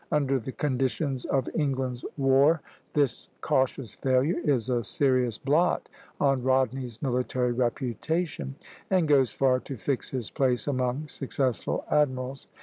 Under the conditions of England's war this cautious failure is a serious blot on Rodney's military reputation, and goes far to fix his place among successful admirals.